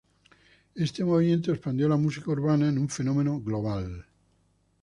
Este movimiento expandió la música urbana en un fenómeno global.